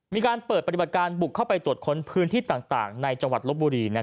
มีการเปิดปฏิบัติการบุกเข้าไปตรวจค้นพื้นที่ต่างในจังหวัดลบบุรี